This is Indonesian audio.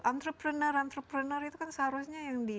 entrepreneur entrepreneur itu kan seharusnya yang di